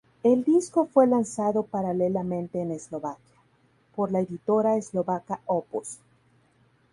El disco fue lanzado paralelamente en Eslovaquia por la editora eslovaca Opus.